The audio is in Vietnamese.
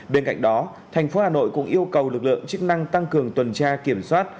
bên cạnh đó thành phố hà nội cũng yêu cầu lực lượng chức năng tăng cường tuần tra kiểm soát